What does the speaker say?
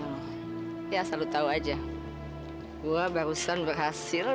ga ada yang bisa dinding